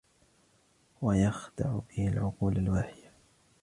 وَيَخْدَعَ بِهِ الْعُقُولَ الْوَاهِيَةَ